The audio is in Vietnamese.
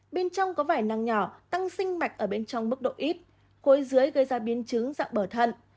bên trong có vải năng nhỏ tăng sinh mạch ở bên trong mức độ ít khối dưới gây ra biến chứng dạng bở thận